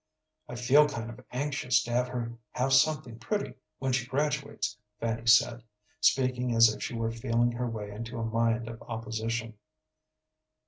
"I feel kind of anxious to have her have something pretty when she graduates," Fanny said, speaking as if she were feeling her way into a mind of opposition.